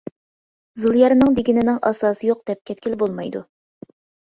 زۇليارنىڭ دېگىنىنىڭ ئاساسى يوق دەپ كەتكىلى بولمايدۇ.